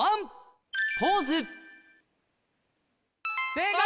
正解！